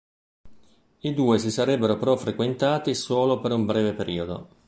I due si sarebbero però frequentati solo per un breve periodo.